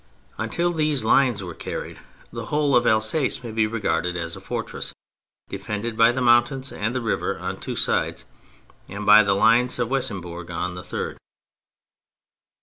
Until these lines were carried, the whole of Alsace may be regarded as a fortress defended by the mountains and the river on two sides, and by the Lines of Weissembourg on the third.